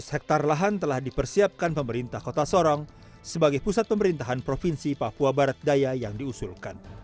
tiga ratus hektare lahan telah dipersiapkan pemerintah kota sorong sebagai pusat pemerintahan provinsi papua barat daya yang diusulkan